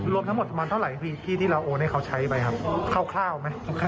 รวมทั้งหมดเท่าไหร่ที่ที่เราโอนให้เขาใช้ไปครับเข้าข้าวไหม